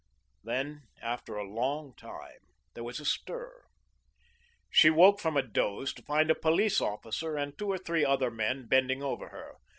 Then, after a long time, there was a stir. She woke from a doze to find a police officer and two or three other men bending over her.